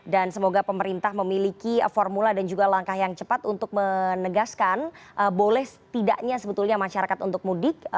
dan semoga pemerintah memiliki formula dan juga langkah yang cepat untuk menegaskan boleh tidaknya sebetulnya masyarakat untuk mudik